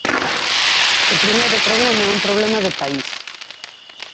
O primeiro problema é un problema de país.